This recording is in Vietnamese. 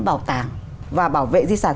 bảo tàng và bảo vệ di sản